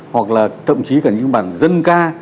hoặc là thậm chí cả những bản dân ca